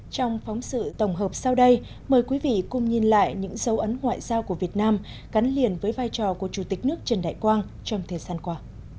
trong phóng sự tổng hợp sau đây mời quý vị cùng nhìn lại những dấu ấn ngoại giao của việt nam gắn liền với vai trò của chủ tịch nước trần đại quang trong thời gian qua